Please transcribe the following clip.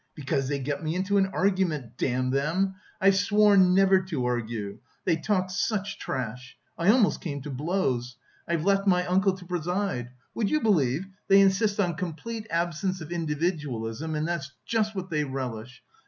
Because they got me into an argument, damn them! I've sworn never to argue! They talk such trash! I almost came to blows! I've left my uncle to preside. Would you believe, they insist on complete absence of individualism and that's just what they relish!